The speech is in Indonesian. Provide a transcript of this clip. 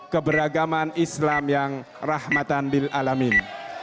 keberagaman islam yang rahmatan lil'alamin